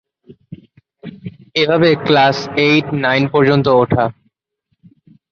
এভাবে class eight nine পর্যন্ত ওঠা।